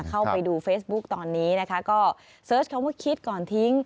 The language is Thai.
เข้าไปดูเฟซบุ๊กตอนนี้นะคะก็เสิร์ชคำว่าคิดก่อนทิ้ง